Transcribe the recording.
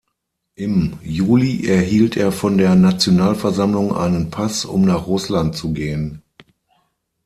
Im Juli erhielt er von der Nationalversammlung einen Pass, um nach Russland zu gehen.